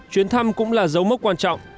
chuyến thăm cũng là dấu mốc quan trọng